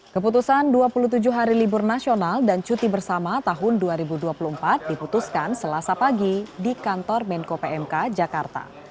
keputusan dua puluh tujuh hari libur nasional dan cuti bersama tahun dua ribu dua puluh empat diputuskan selasa pagi di kantor menko pmk jakarta